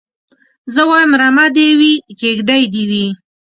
زه وايم رمه دي وي کيږدۍ دي وي